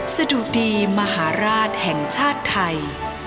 สะดุดีมหาราชแห่งชาติไทย